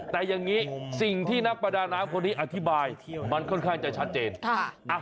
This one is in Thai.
แต่อย่างนี้สิ่งที่นักประดาน้ำคนนี้อธิบายมันค่อนข้างจะชัดเจน